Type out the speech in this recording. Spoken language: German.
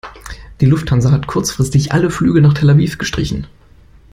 Die Lufthansa hat kurzfristig alle Flüge nach Tel Aviv gestrichen.